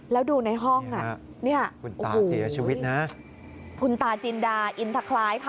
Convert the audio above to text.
แล้วดูในห้องอ่ะเนี่ยคุณตาเสียชีวิตนะคุณตาจินดาอินทะคล้ายค่ะ